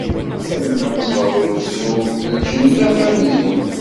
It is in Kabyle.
A yemma sber ur ttru, d lǧennet axir n zhu.